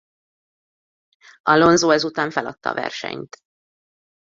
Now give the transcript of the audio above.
Alonso ezután feladta a versenyt.